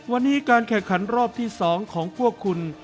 วันนี้การแข่งขันรอบที่๒ของพวกคุณ